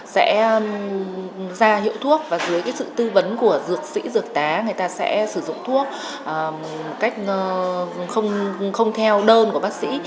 sẽ ra hiệu thuốc và dưới sự tư vấn của dược sĩ dược tá người ta sẽ sử dụng thuốc không theo đơn của bác sĩ